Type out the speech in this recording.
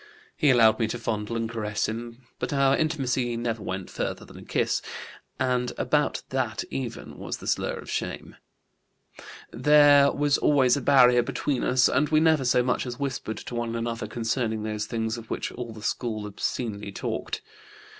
He allowed me to fondle and caress him, but our intimacy never went further than a kiss, and about that even was the slur of shame; there was always a barrier between us, and we never so much as whispered to one another concerning those things of which all the school obscenely talked.